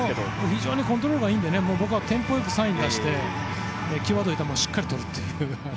非常にコントロールがいいので僕はテンポ良くサインを出して際どい球をしっかりととるという。